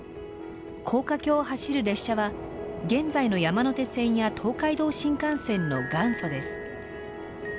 高架橋を走る列車は現在の山手線や東海道新幹線の元祖です。